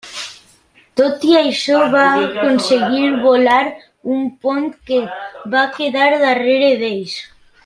Tot i això va aconseguir volar un pont que va quedar darrere d'ells.